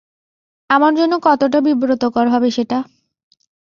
আমার জন্য কতটা বিব্রতকর হবে সেটা?